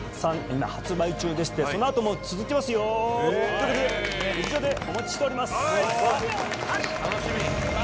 今発売中でしてそのあとも続きますよということで劇場でお待ちしております楽しみ！